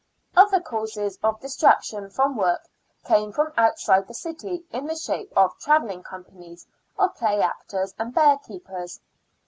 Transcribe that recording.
Other causes of distraction from work came from out side the city in the shape of travelling companies of play actors and bear keepers.